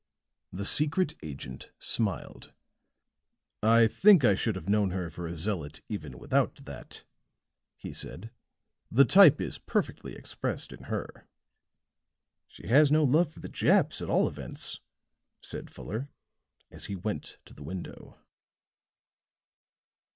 The secret agent smiled. "I think I should have known her for a zealot even without that," he said. "The type is perfectly expressed in her." "She has no love for the Japs, at all events," said Fuller, as he went to the window.